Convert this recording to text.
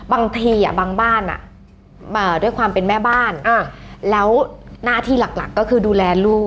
บางทีบางบ้านด้วยความเป็นแม่บ้านแล้วหน้าที่หลักก็คือดูแลลูก